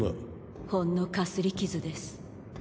ほんのかすり傷です。